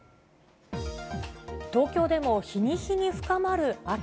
東京でも日に日に深まる秋。